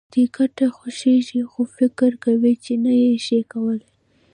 که دې ګټه خوښېږي خو فکر کوې چې نه يې شې کولای.